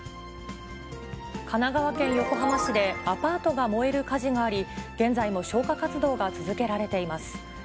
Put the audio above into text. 神奈川県横浜市で、アパートが燃える火事があり、現在も消火活動が続けられています。